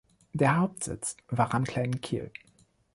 Der Hauptsitz war am Kleinen Kiel.